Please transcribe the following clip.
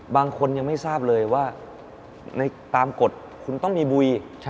บางคนยังไม่ทราบเลยว่าในตามกฎคุณต้องมีบุย